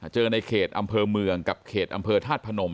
ในเขตอำเภอเมืองกับเขตอำเภอธาตุพนม